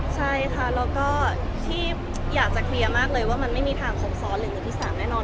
ใช่ค่ะแล้วก็ที่อยากจะเคลียร์มากเลยว่ามันไม่มีทางครบซ้อนหรือมือที่๓แน่นอน